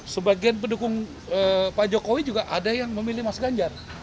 sebagian pendukung pak jokowi juga ada yang memilih mas ganjar